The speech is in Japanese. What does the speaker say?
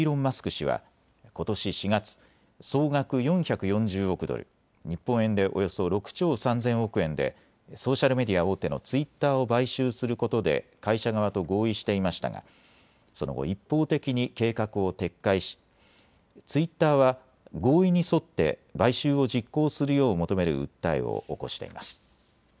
氏はことし４月、総額４４０億ドル、日本円でおよそ６兆３０００億円でソーシャルメディア大手のツイッターを買収することで会社側と合意していましたがその後、一方的に計画を撤回しツイッターは合意に沿って買収を実行するよう求める訴えを起こしています。